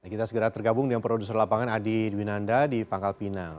kita segera tergabung dengan produser lapangan adi dwinanda di pangkal pinang